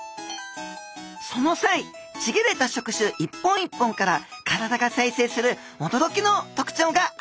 その際ちぎれた触手一本一本から体が再生するおどろきの特徴があるんですよ。